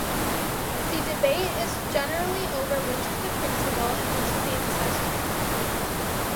The debate is generally over which is the principal and which is the accessory.